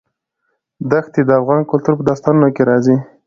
دښتې د افغان کلتور په داستانونو کې راځي.